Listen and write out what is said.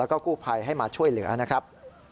แล้วก็กู้ภัยให้มาช่วยเหลือนะครับ